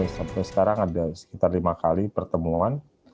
sampai sekarang ada sekitar lima kali pertemuan